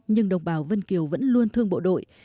nhưng đồng bào vân kiều vẫn luôn thương bộ đội